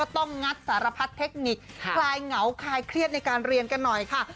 งัดสารพัดเทคนิคคลายเหงาคลายเครียดในการเรียนกันหน่อยค่ะ